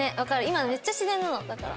今めっちゃ自然なのだから。